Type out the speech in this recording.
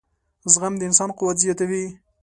• زغم د انسان قوت زیاتوي.